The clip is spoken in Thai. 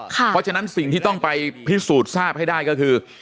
เพราะฉะนั้นสิ่งที่ต้องไปพิสูจน์ทราบให้ได้ก็คือ